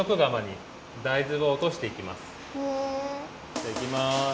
じゃあいきます。